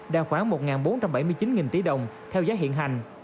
đã khoảng một bốn trăm bảy mươi chín nghìn tỷ đồng theo giá hiện hành